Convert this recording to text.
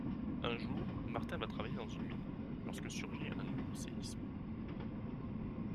Un jour, Martin va travailler dans une mine, lorsque surgit un nouveau séisme.